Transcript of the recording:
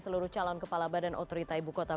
seluruh calon kepala badan otorita ibu kota